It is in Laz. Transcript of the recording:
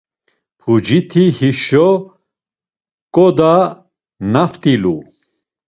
Puciti hişo, ǩoda naft̆ilu!